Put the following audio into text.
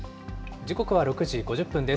時刻は６時５０分です。